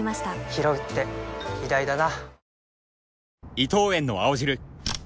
ひろうって偉大だな